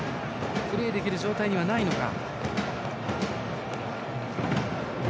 プレーできる状態にないのか。